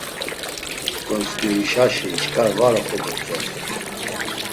Gontzk̆erişaşi çkar var oxobotsoni.